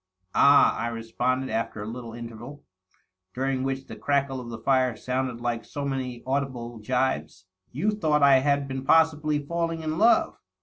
''" Ah," I responded after a little interval, during which the crackle of the fire sounded like so many audible gibes, " you thought I had been possibly falling in love."